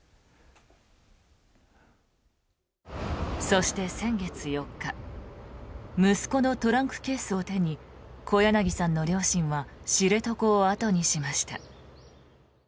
そして、先月４日息子のトランクケースを手に小柳さんの両親は知床を後にしました。